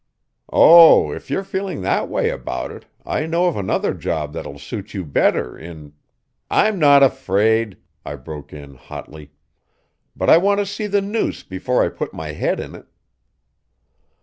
"Oh, if you're feeling that way about it, I know of another job that will suit you better in " "I'm not afraid," I broke in hotly. "But I want to see the noose before I put my head in it."